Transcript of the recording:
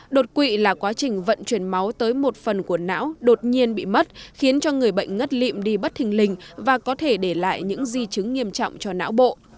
đột quỵ là quá trình vận chuyển máu tới một phần của não đột nhiên bị mất khiến cho người bệnh ngất lịm đi bất hình lình và có thể để lại những di chứng nghiêm trọng cho não bộ